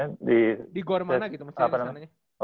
di gor mana gitu misalnya di sananya